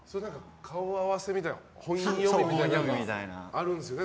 顔合わせみたいな本読みみたいなのがあるんですね。